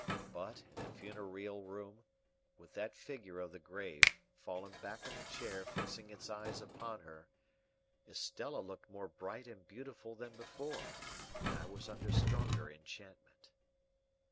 But, in the funereal room, with that figure of the grave fallen back in the chair fixing its eyes upon her, Estella looked more bright and beautiful than before, and I was under stronger enchantment.